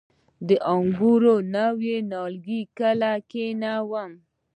د انګورو نوي نیالګي کله کینوم؟